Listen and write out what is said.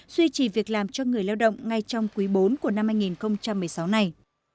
duy trì việc làm cho người lao động ngay trong quý bốn của năm hai nghìn một mươi sáu này